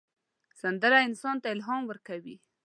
سندره انسان ته الهام ورکوي